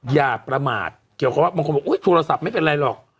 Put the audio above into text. อย่าประมาทเกี่ยวกับว่าบางคนบอกอุ๊ยโทรศัพท์ไม่เป็นไรหรอก